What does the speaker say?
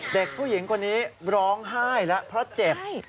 เด็กผู้หญิงคนนี้ร้องไห้แล้วเพราะเจ็บ